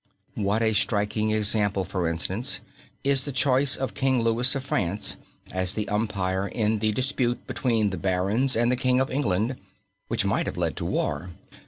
What a striking example, for instance, is the choice of King Louis of France as the umpire in the dispute between the Barons and the King of England, which might have led to war.